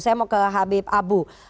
saya mau ke habib abu